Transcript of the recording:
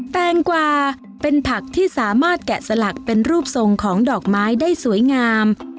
แตงกวาเป็นผักที่สามารถแกะสลักเป็นรูปทรงของดอกไม้ได้สวยงาม